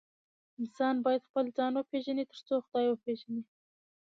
انسان بايد خپل ځان وپيژني تر څو خداي وپيژني